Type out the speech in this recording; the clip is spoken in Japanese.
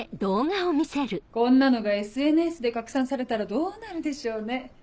こんなのがＳＮＳで拡散されたらどうなるでしょうね？